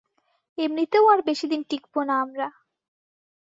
এমনিতেও আর বেশিদিন টিকবো না আমরা।